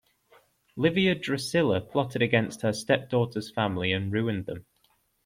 Livia Drusilla plotted against her stepdaughter's family and ruined them.